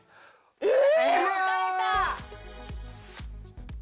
えっ！